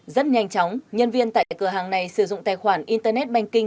rất nhanh chóng nhân viên tại cửa hàng này sử dụng tài khoản internet banking